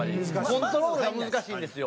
コントロールが難しいんですよ。